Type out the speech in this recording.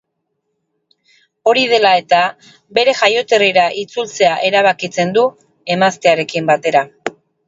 Hori dela eta, bere jaioterrira itzultzea erabakitzen du, emaztearekin batera.